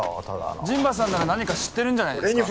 ただの陣馬さんなら何か知ってるんじゃないですか？